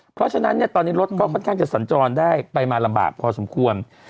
เพราะฉะนั้นตอนนี้รถเป็นการสันจรได้ก็ไปมาลำบากพอสมควร